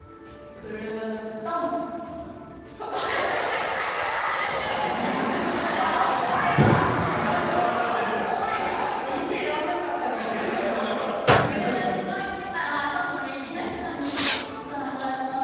クルトンきたら今度右の人にトントントン。